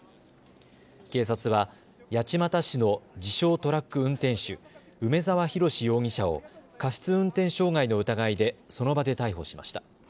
警察は八街市の自称、トラック運転手、梅澤洋容疑者を過失運転傷害の疑いで、その場で逮捕しました。